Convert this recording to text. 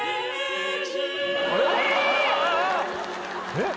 えっ？